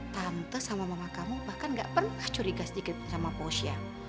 tante sama mama kamu bahkan gak pernah curiga sedikit sama posya